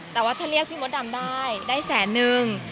แต่ว่าถ้าเรียกพี่มดดำได้ได้แสนนึง